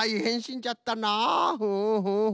ん？